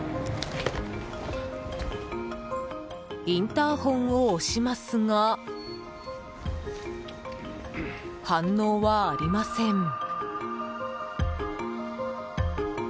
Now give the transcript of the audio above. インターホンを押しますが反応はありません。